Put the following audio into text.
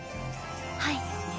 はい。